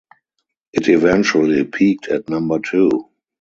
It eventually peaked at number two.